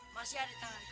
masih ada tanganku